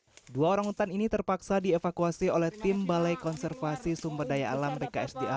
hai dua orangutan ini terpaksa dievakuasi oleh tim balai konservasi sumberdaya alam bksda